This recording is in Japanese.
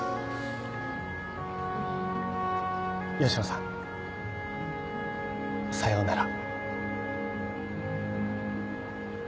吉野さんさようなら。